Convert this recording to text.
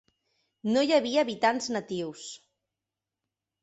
No hi ha habitants natius.